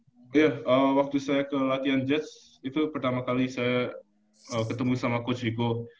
iya waktu saya ke latihan jets itu pertama kali saya ketemu sama coach rico